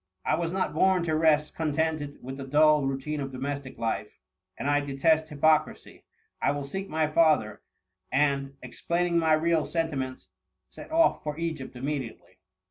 I was not born to rest con tented with the dull routine of domestic life, and I detest hypocrisy : I will seek my father ; and, explaining my real sentiments;^ set off for Egypt immediately."